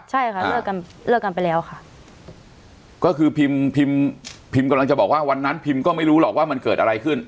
ใช่ค่ะเลิกกันเลิกกันไปแล้วค่ะก็คือพิมพิมพิมกำลังจะบอกว่าวันนั้นพิมก็ไม่รู้หรอกว่ามันเกิดอะไรขึ้น